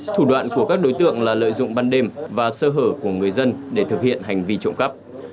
thủ đoạn của các đối tượng là lợi dụng ban đêm và sơ hở của người dân để thực hiện hành vi trộm cắp